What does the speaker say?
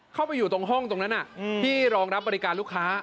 เข้าไปอยู่ตรงห้องตรงนั้นที่รองรับบริการลูกค้า